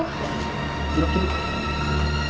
duduk di sini